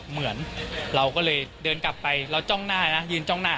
เหมือนเราก็เลยเดินกลับไปเราจ้องหน้านะยืนจ้องหน้า